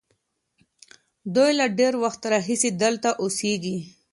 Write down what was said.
دوی له ډېر وخت راهیسې دلته اوسېږي.